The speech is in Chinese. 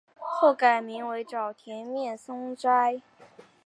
后改名沼田面松斋。